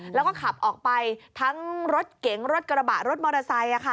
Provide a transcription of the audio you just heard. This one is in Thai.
แล้วก็ขับออกไปทั้งรถเก๋งรถกระบะรถมอเตอร์ไซค์